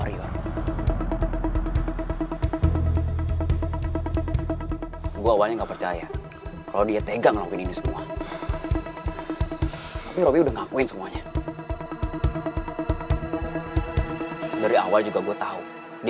iya sih tapi abis mau gimana lagi